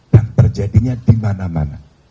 dan terjadinya di mana mana